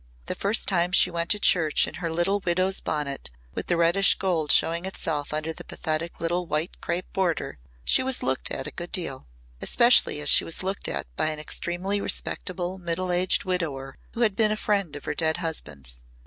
The first time she went to church in her little widow's bonnet with the reddish gold showing itself under the pathetic little white crêpe border, she was looked at a good deal. Especially was she looked at by an extremely respectable middle aged widower who had been a friend of her dead husband's.